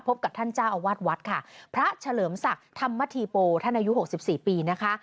พบกับท่านเจ้าอวัดค่ะพระเฉลิมศักดิ์ธรรมธีโปท่านอายุ๖๔ปีนะคะ